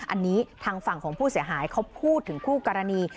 อันนี้ทางฝั่งของผู้เสียหายเขาพูดถึงคู่กรณี